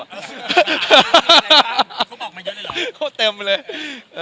อยู่เมื่อคู่ทุ่มออกมาเยอะเลยเหรอ